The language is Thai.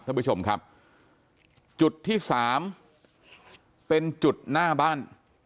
ท่านผู้ชมครับจุดที่สามเป็นจุดหน้าบ้าน